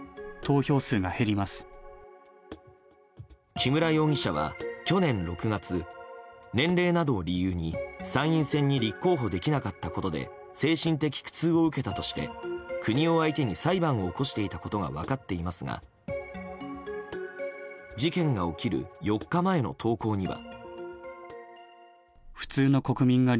木村容疑者は去年６月年齢などを理由に、参院選に立候補できなかったことで精神的苦痛を受けたとして国を相手に裁判を起こしていたことが分かっていますが事件が起きる４日前の投稿には。